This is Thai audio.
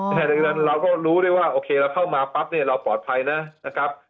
เพราะฉะนั้นเราก็รู้ได้ว่าโอเคเราเข้ามาปั๊บเนี่ยเราปลอดภัยนะครับ